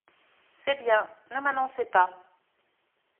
C’est bien… ne m’annoncez pas !